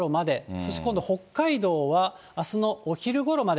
そして今度北海道はあすのお昼ごろまで。